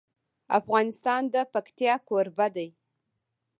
افغانستان د پکتیا کوربه دی.